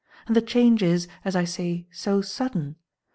And the change is, as I say, so sudden.